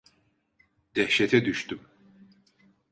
Dehşete düştüm.